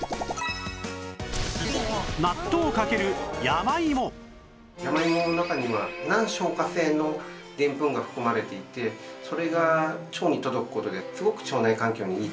山芋の中には難消化性のでんぷんが含まれていてそれが腸に届く事ですごく腸内環境にいいといわれています。